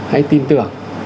hãy tin tưởng